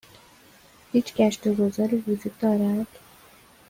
هیچ گشت و گذاری وجود دارد؟